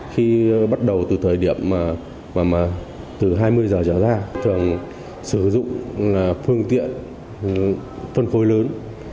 khi bắt đầu từ thời điểm từ hai mươi giờ trở ra trường sử dụng phương tiện phân khối lớn